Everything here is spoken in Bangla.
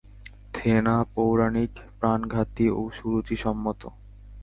থেনা, পৌরাণিক, প্রাণঘাতী ও সুরুচিসম্মত।